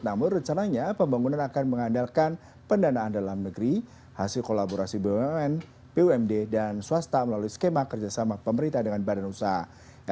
namun rencananya pembangunan akan mengandalkan pendanaan dalam negeri hasil kolaborasi bumn bumd dan swasta melalui skema kerjasama pemerintah dengan badan usaha